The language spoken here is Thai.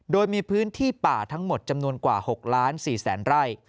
โดยมีพื้นที่ป่าทั้งหมดจำนวนกว่า๖ล้าน๔แสนไร่